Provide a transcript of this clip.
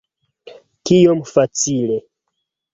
Kiom facile!